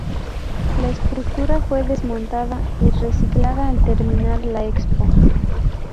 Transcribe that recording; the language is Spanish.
La estructura fue desmontada y reciclada al terminar la Expo.